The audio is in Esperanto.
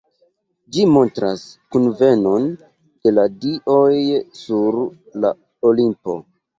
Ĝi montras kunvenon de la dioj sur la Olimpo.